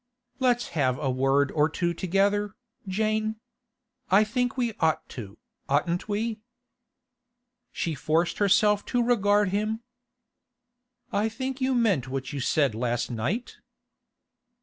'Let's have a word or two together, Jane. I think we ought to, oughtn't we?' She forced herself to regard him. 'I think you meant what you said last night?